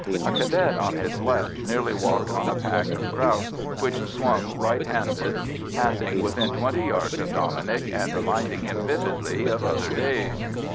A Cadet on his left nearly walked on a pack of grouse, which swung right handed, passing within twenty yards of Dominic, and reminding him vividly of other days.